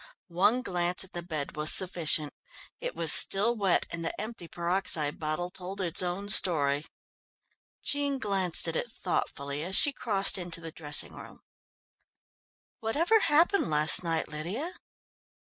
One glance at the bed was sufficient. It was still wet, and the empty peroxide bottle told its own story. Jean glanced at it thoughtfully as she crossed into the dressing room. "Whatever happened last night, Lydia?"